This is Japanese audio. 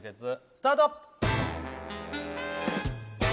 スタート